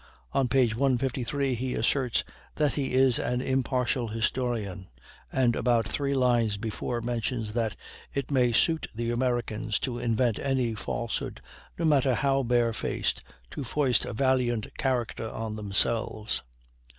On page 153 he asserts that he is an "impartial historian"; and about three lines before mentions that "it may suit the Americans to invent any falsehood, no matter how barefaced, to foist a valiant character on themselves."